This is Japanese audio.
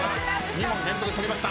２問連続で取りました。